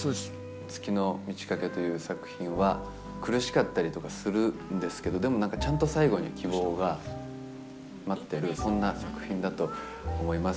月の満ち欠けという作品は、苦しかったりとかするんですけど、でもなんか、ちゃんと最後に希望が待ってる、そんな作品だと思います。